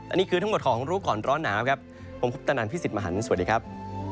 อันนี้คือทั้งหมดของรู้ก่อนร้อนหนาวครับผมคุปตนันพี่สิทธิ์มหันฯสวัสดีครับ